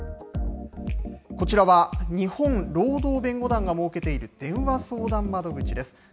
こちらは、日本労働弁護団が設けている電話相談窓口です。